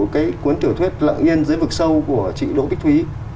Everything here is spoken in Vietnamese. cái cuốn tiểu thuyết lặng yên dưới vực sâu của chị đỗ bích thúy